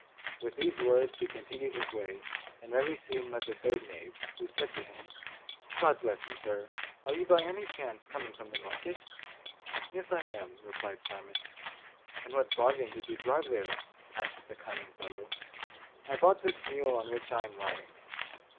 With these words he continued his way, and very soon met the third knave, who said to him, 'God bless you, sir; are you by any chance coming from the market?' 'Yes, I am,' replied Simon. 'And what bargain did you drive there?' asked the cunning fellow. 'I bought this mule on which I am riding.